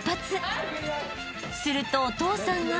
［するとお父さんが］